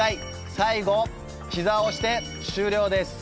最後膝を押して終了です。